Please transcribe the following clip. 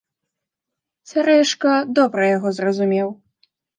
Цярэшка добра яго зразумеў.